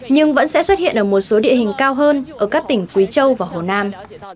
nhưng vẫn sẽ xuất hiện ở một số địa hình cao hơn ở các tỉnh quý châu và hồ nam